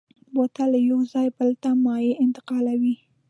بوتل له یو ځایه بل ته مایع انتقالوي.